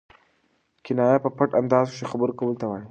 کنایه په پټ انداز کښي خبرو کولو ته وايي.